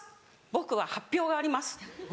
僕は発表があります